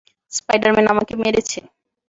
Spider man আমাকে মেরেছে!